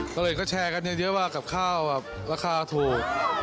เราเลยก็แชร์กันเยอะกับข้าวราคาถูก